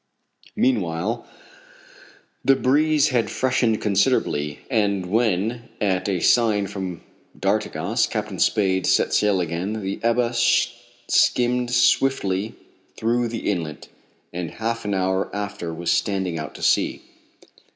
Meanwhile the breeze had freshened considerably, and when, at a sign from d'Artigas, Captain Spade set sail again, the Ebba skimmed swiftly through the inlet, and half an hour after was standing out to sea.